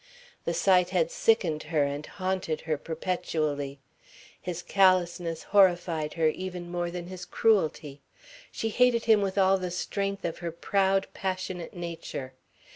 The sight had sickened her and haunted her perpetually. His callousness horrified her even more than his cruelty. She hated him with all the strength of her proud, passionate nature.